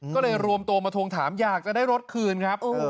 ก็เลยรวมตัวมาทวงถามอยากจะได้รถคืนครับ